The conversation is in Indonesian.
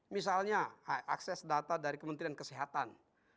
misalnya akses data dari kementerian kesehatan